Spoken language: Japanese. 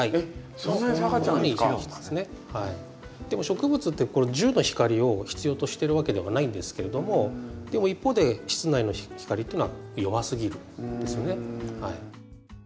でも植物ってこの１０の光を必要としてるわけではないんですけれどもでも一方で室内の光っていうのは弱すぎるんですよね。